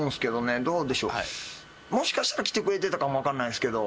もしかしたら来てくれてたかもわからないですけど。